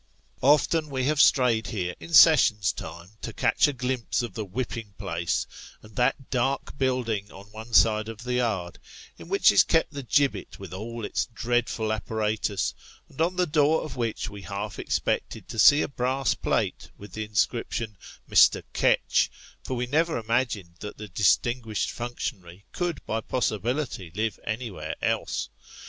Often have we strayed here, in sessions time, to catch a glimpse of the whipping place, and that dark building on one side of the yard, in which is kept the gibbet with all its dreadful apparatus, and on the door of which we half expected to see a brass plate, with the inscription " Mr. Ketch ;" for we never imagined that the distinguished functionary could by possibility live anywhere else